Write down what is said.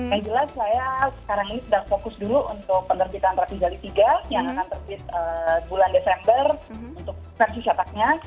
yang jelas saya sekarang ini sedang fokus dulu untuk penerbitan rapi jali tiga yang akan terbit bulan desember untuk versi syataknya